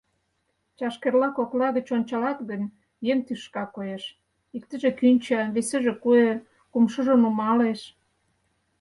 Чашкерла кокла гыч ончалат гын, еҥ тӱшка коеш: иктыже кӱнча, весыже куэ, кумшыжо нумалеш.